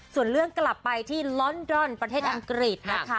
ส่วนเรื่องกลับไปที่ลอนดอนประเทศอังกฤษนะคะ